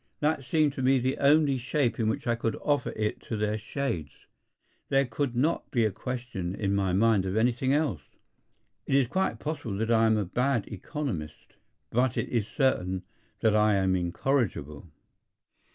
That seemed to me the only shape in which I could offer it to their shades. There could not be a question in my mind of anything else. It is quite possible that I am a bad economist; but it is certain that I am incorrigible.